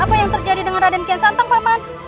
apa yang terjadi dengan raden kian santang papan